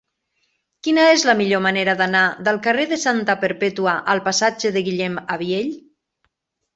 Quina és la millor manera d'anar del carrer de Santa Perpètua al passatge de Guillem Abiell?